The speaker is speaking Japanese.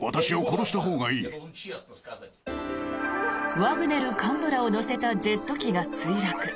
ワグネル幹部らを乗せたジェット機が墜落。